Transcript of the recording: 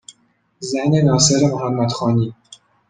زن ناصر محمدخانی